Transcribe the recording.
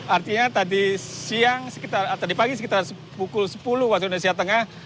artinya tadi siang sekitar tadi pagi sekitar pukul sepuluh waktu indonesia tengah